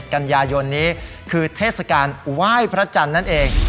กันยายนนี้คือเทศกาลไหว้พระจันทร์นั่นเอง